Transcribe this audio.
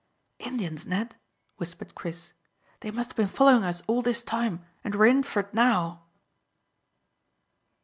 "Indians, Ned," whispered Chris. "They must have been following us all this time, and we're in for it now."